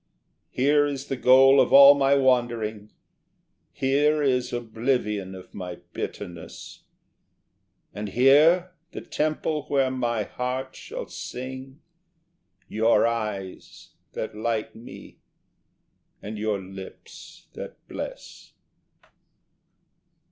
Here is the goal of all my wandering, Here is oblivion of my bitterness, And here the temple where my heart shall sing Your eyes that light me and your lips that bless.